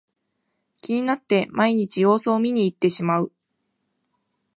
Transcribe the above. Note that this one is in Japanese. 気になって毎日様子を見にいってしまう